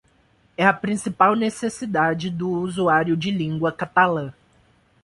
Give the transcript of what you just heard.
É a principal necessidade do usuário de língua catalã.